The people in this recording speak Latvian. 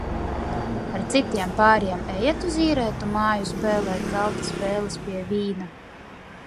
Ar citiem pāriem ejat uz īrētu māju spēlēt galda spēles pie vīna?